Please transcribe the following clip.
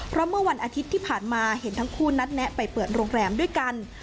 เพราะเมื่อวันอาทิตย์ที่ผ่านมาเห็นทั้งคู่นัดแนะไปเปิดโรงแรมด้วยกัน